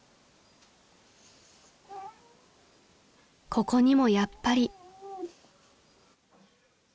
［ここにもやっぱり］